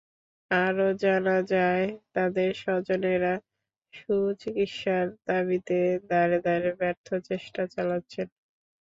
আরও জানা যায়, তাঁদের স্বজনেরা সুচিকিৎসার দাবিতে দ্বারে দ্বারে ব্যর্থ চেষ্টা চালাচ্ছেন।